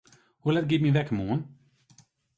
Hoe let giet myn wekker moarn?